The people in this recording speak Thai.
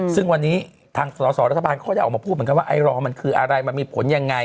ซึ่งวันนี้ทางสอสอรัฐบาลเขาได้ออกมาพูดเหมือนกันว่าไอรอมันคืออะไรมันมีผลยังไง